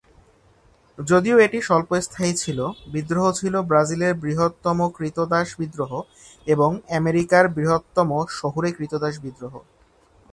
যদিও এটি স্বল্পস্থায়ী ছিল, বিদ্রোহ ছিল ব্রাজিলের বৃহত্তম ক্রীতদাস বিদ্রোহ এবং আমেরিকার বৃহত্তম শহুরে ক্রীতদাস বিদ্রোহ।